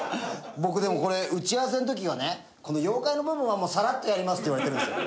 僕でもこれ打ち合わせの時はねこの妖怪の部分はもうさらっとやりますって言われてるんですよ。